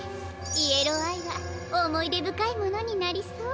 イエローアイはおもいでぶかいものになりそう。